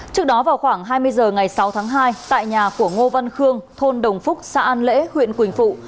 trước đó vào khoảng hai mươi h ngày sáu tháng hai tại nhà của ngô văn khương thôn đồng phúc xã an lễ huyện quỳnh phụ